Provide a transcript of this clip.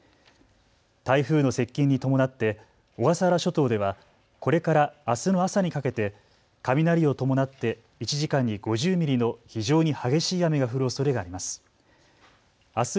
台風の接近に伴って小笠原諸島ではこれからあすの朝にかけて雷を伴って１時間に５０ミリの非常に激しい雨が降るおそれがあります。